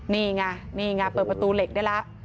นี่ไงนี่ไงเปิดประตูเหล็กได้แล้ว